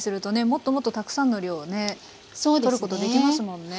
もっともっとたくさんの量をねとることできますもんね。